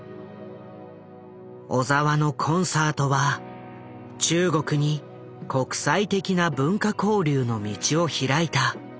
小澤のコンサートは中国に国際的な文化交流の道を開いた。